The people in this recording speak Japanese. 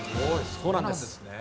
そうなんです。